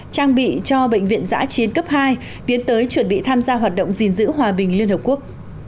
trang bị cho bệnh viện giã chiến cấp hai tiến tới chuẩn bị tham gia hoạt động gìn giữ hòa bình liên hợp quốc